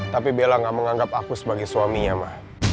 tapi bella gak menganggap aku sebagai suaminya ma